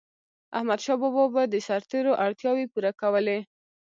احمدشاه بابا به د سرتيرو اړتیاوي پوره کولي.